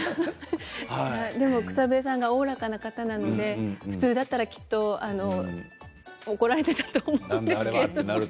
草笛さんがおおらかな方なので普通だったら、きっと怒られていたと思うんですけれど。